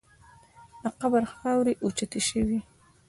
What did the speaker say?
د قبر خاورې اوچتې شوې.